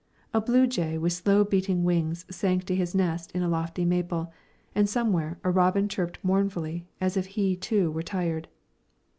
A bluejay with slow beating wings sank to his nest in a lofty maple, and, somewhere, a robin chirped mournfully, as if he, too, were tired.